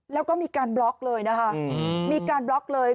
แล้วก็มีการบล็อกเลยนะคะมีการบล็อกเลย